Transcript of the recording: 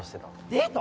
デート！？